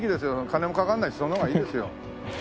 金もかかんないしその方がいいですよ。